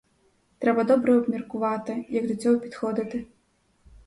Треба добре обміркувати, як до цього підходити.